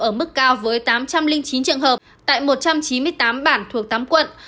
ở mức cao với tám trăm linh chín trường hợp tại một trăm chín mươi tám bản thuộc tám quận